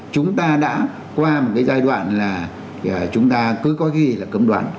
chúng ta đã qua một cái giai đoạn là chúng ta cứ có cái gì là cấm đoán